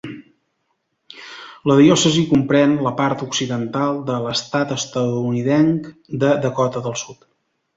La diòcesi comprèn la part occidental de l'estat estatunidenc de Dakota del Sud.